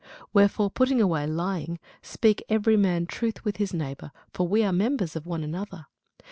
Wherefore putting away lying, speak every man truth with his neighbour: for we are members one of another.